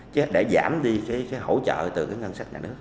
chứ để giảm đi cái hỗ trợ từ cái ngân sách nhà nước